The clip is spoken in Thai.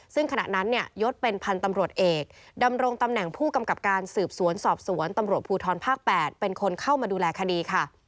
ซึ่งขณะนั้นเนี่ยยศเป็นพันธ์ตำรวจเอกดำรงตำแหน่งผู้กำกับการสืบสวนสอบสวนตำรวจภูทรภาค๘เป็นคนเข้ามาดูแลคดีค่ะ